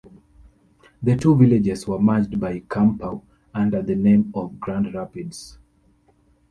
The two villages were merged by Campau under the name of Grand Rapids.